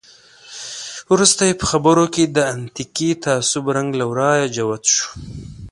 وروسته یې په خبرو کې د اتنیکي تعصب رنګ له ورایه جوت شو.